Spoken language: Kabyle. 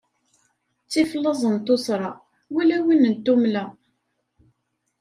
Ttif laẓ n tuṣṣra, wala win n tummla.